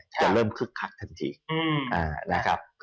จะเริ่มคึกคักทันทีนะครับ